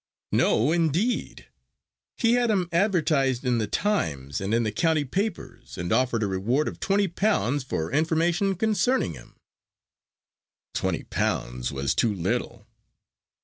"No, indeed! he had him advertised in the Times and in the county papers, and offered a reward of twenty pounds for information concerning him." "Twenty pounds was too little."